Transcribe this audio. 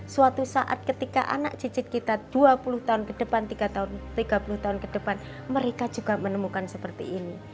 suatu saat ketika anak cicit kita dua puluh tahun ke depan tiga puluh tahun ke depan mereka juga menemukan seperti ini